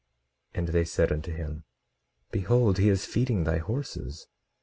18:9 And they said unto him: Behold, he is feeding thy horses.